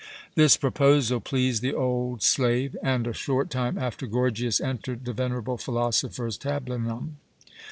This proposal pleased the old slave, and a short time after Gorgias entered the venerable philosopher's tablinum.